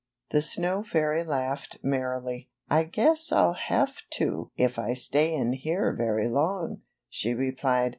The snow fairy laughed merrily. guess I'll have to if I stay in here very long," she replied.